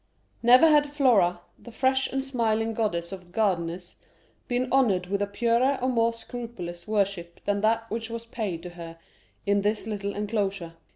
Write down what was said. Never had Flora, the fresh and smiling goddess of gardeners, been honored with a purer or more scrupulous worship than that which was paid to her in this little enclosure.